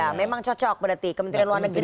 ya memang cocok berarti kementerian luar negeri